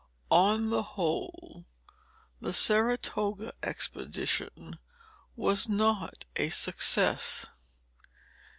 On the whole, the Saratoga expedition was not a success.